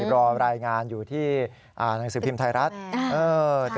รอรายงานอยู่ที่หนังสือพิมพ์ไทยรัฐ